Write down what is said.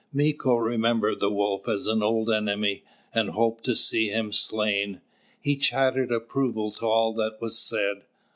Mīko remembered the Wolf as an old enemy, and hoped to see him slain. He chattered approval to all that was said.